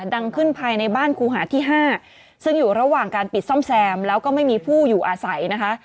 ดังขึ้นภายในบ้านครูหาที่๕ซึ่งอยู่ระหว่างการปิดซ่อมแซมแล้วก็ไม่มีผู้อยู่อาศัยนะคะ